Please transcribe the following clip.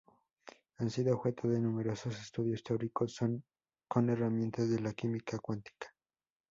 Han sido objeto de numerosos estudios teóricos con herramientas de la química cuántica.